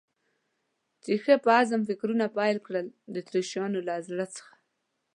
مې ښه په عزم فکرونه پیل کړل، د اتریشیانو له راز څخه.